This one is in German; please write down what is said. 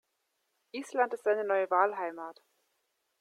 Island ist seine neue Wahlheimat.